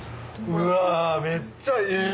うわめっちゃえぇ？